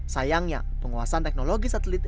sayangnya penguasaan teknologi satelit